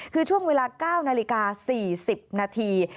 คือช่วงเวลา๙นาฬิกา๔๐นาที